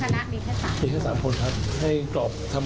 เข้าใจว่าอย่างนั้นครับครับ